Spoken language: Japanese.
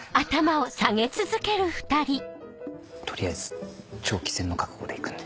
取りあえず長期戦の覚悟でいくんで。